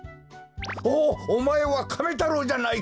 おおまえはカメ太郎じゃないか！